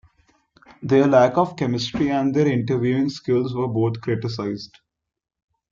Their lack of chemistry and their interviewing skills were both criticized.